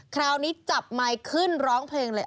คราวนี้จับไมค์ขึ้นร้องเพลงเลย